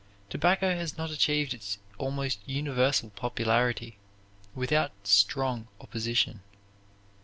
Tobacco has not achieved its almost universal popularity without strong opposition.